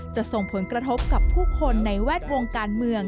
จะส่งผลกระทบกับผู้คนในแวดวงการเมือง